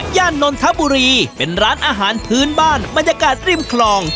นนทบุรีเป็นร้านอาหารพื้นบ้านบรรยากาศริมคลอง